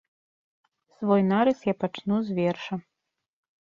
Свой нарыс я пачну з верша.